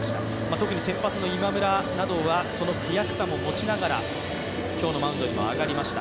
特に先発の今村などは、その悔しさも持ちながら、今日のマウンドにも上がりました。